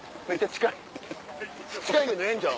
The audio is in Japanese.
近いけどええんちゃう？